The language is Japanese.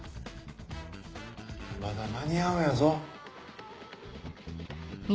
まだ間に合うんやぞ。